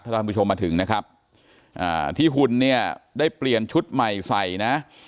ท่านผู้ชมมาถึงนะครับอ่าที่หุ่นเนี่ยได้เปลี่ยนชุดใหม่ใส่นะ